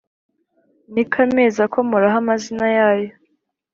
Ni ko amezi akomoraho amazina yayo,